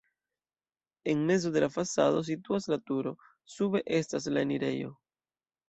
En mezo de la fasado situas la turo, sube estas la enirejo.